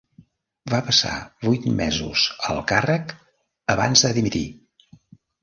Va passar vuit mesos al càrrec abans de dimitir.